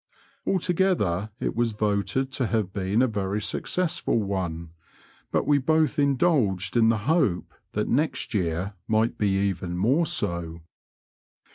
Altogether it was voted to have been a very successful one, but we both indulged in the hope that next year might be even more so.